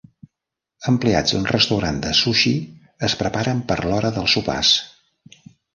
Empleats d'un restaurant de sushi es preparen per l'hora dels sopars.